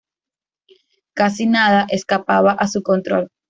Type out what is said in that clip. Casi nada escapaba a su control.